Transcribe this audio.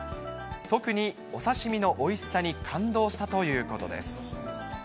特にお刺身のおいしさに感動したということです。